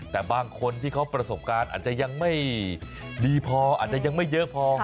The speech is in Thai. แต่บางคนที่เขาประสบการณ์อาจจะยังไม่ดีพออาจจะยังไม่เยอะพอ